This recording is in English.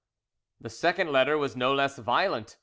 The second letter was no less violent.